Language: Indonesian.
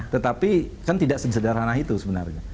tetapi kan tidak sesederhana itu sebenarnya